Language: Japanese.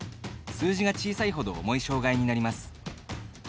数字が小さいほど重い障がいになります。